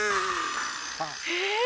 え？